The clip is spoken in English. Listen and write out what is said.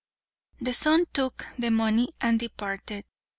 The son took the money and departed.